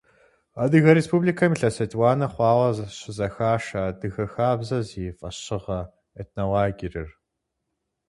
Адыгэ Республикэм илъэс етӏуанэ хъуауэ щызэхашэ «Адыгэ хабзэ» зи фӏэщыгъэ этнолагерыр.